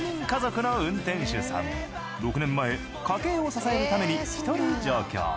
６年前家計を支えるために１人上京。